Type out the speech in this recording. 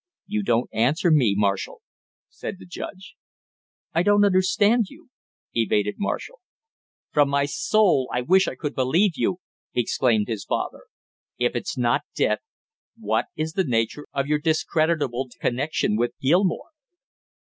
"You don't answer me, Marshall," said the judge. "I don't understand you " evaded Marshall. "From my soul I wish I could believe you!" exclaimed his father. "If it's not debt, what is the nature of your discreditable connection with Gilmore?"